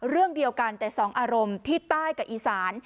เรื่องเดียวกันแต่สองอารมณ์ที่ใต้กับอีสาน